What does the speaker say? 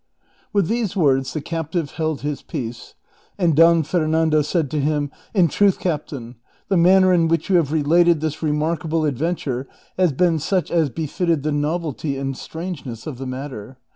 With these words the captive held his peace, and Don Fer nando said to him, " In truth, captain, the manner in Avhiehyou have rehited this remarkable adventure has been such as befitted the novelty and strangeness of the matter.